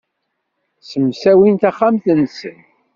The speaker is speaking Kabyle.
Ssemsawin taxxamt-nsen.